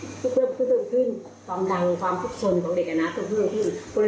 ทีนี้คุณครูเป็นผู้ชีวิทย์ว่าหยุดตั้งอย่างอะไรประมาณนี้